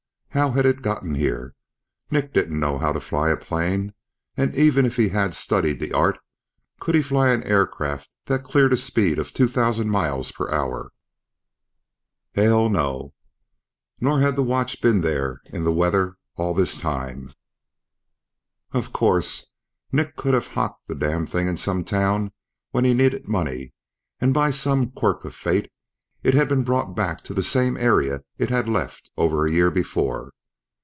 How had it gotten here? Nick didn't know how to fly a plane, and even if he had studied the art, could he fly an aircraft that cleared a speed of two thousand miles per hour? Hell no! Nor had the watch been there, in the weather, all this time. Of course, Nick could have hocked the damned thing in some town when he needed money, and by some quirk of fate it had been brought back to the same area it had left over a year before.